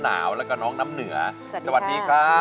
เปลี่ยนเพลงเพลงเก่งของคุณและข้ามผิดได้๑คำ